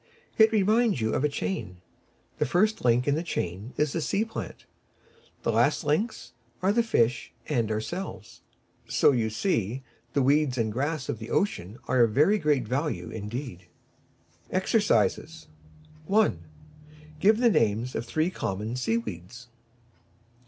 It reminds you of a chain. The first link in the chain is the sea plant, the last links are the fish and ourselves. So, you see, the weeds and grass of the ocean are of very great value indeed. EXERCISES 1. Give the names of three common Sea weeds.